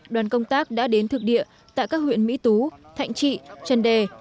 đoàn công tác đã đến thực địa tại các huyện mỹ tú thạnh trị trần đề